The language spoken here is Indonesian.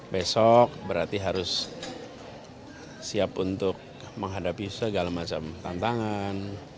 besok berarti harus siap untuk menghadapi segala macam tantangan